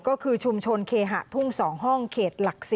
ก็คือชุมชนเคหะทุ่ง๒ห้องเขตหลัก๔